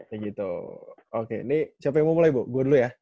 kayak gitu oke nih siapa yang mau mulai bu gue dulu ya